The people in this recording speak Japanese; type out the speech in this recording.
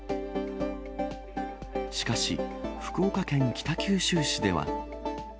しかし、福岡県北九州市では。